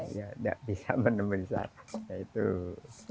iya tidak bisa menemui sana